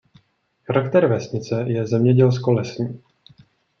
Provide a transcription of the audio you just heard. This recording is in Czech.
Charakter vesnice je zemědělsko lesní.